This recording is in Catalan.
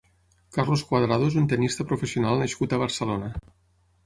Carlos Cuadrado és un tennista professional nascut a Barcelona.